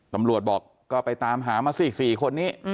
ตำรวจบอกก็ไปตามหามาสิ๔คนนี้